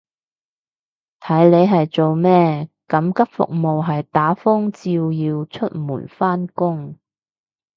睇你係做咩，緊急服務係打風照要出門返工